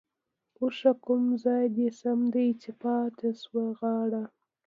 ـ اوښه کوم ځاى د سم دى ،چې پاتې شوه غاړه؟؟